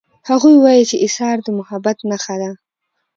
هغوی وایي چې ایثار د محبت نښه ده